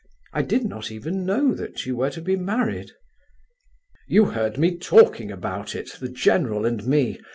"I did not even know that you were to be married." "You heard me talking about it, the general and me.